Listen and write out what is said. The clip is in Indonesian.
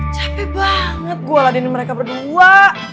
capek banget gue ladenin mereka berdua